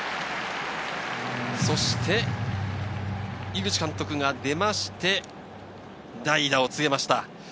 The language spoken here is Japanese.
そして井口監督が出て、代打を告げました。